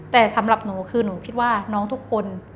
แต่สำหรับหนูคือหนูคิดว่าน้องทุกคน